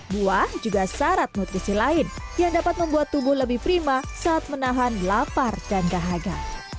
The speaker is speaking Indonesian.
buah juga syarat nutrisi lain yang dapat membuat tubuh lebih prima saat menahan lapar dan dahaga